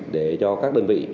để cho các đơn vị